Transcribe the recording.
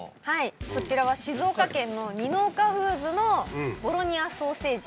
こちらは静岡県の二の岡フーヅのボロニアソーセージ。